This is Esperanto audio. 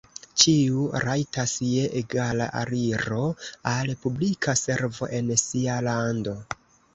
Ĉiu rajtas je egala aliro al publika servo en sia lando.